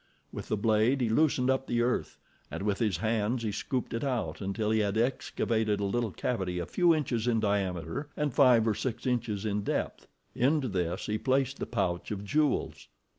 With the blade he loosened up the earth, and with his hands he scooped it out until he had excavated a little cavity a few inches in diameter, and five or six inches in depth. Into this he placed the pouch of jewels.